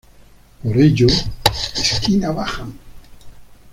Por ello "¡Esquina bajan!